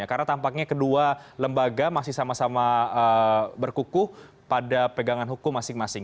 karena tampaknya kedua lembaga masih sama sama berkukuh pada pegangan hukum masing masing